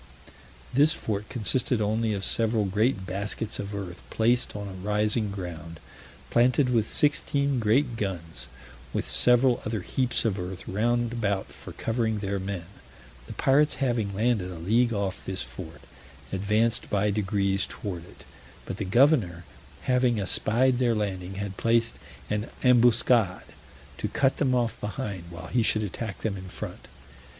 This fort consisted only of several great baskets of earth placed on a rising ground, planted with sixteen great guns, with several other heaps of earth round about for covering their men: the pirates having landed a league off this fort, advanced by degrees towards it; but the governor having espied their landing, had placed an ambuscade to cut them off behind, while he should attack them in front.